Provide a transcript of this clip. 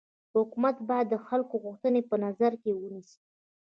حکومت باید د خلکو غوښتني په نظر کي ونيسي.